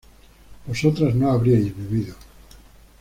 vosotras no habríais vivido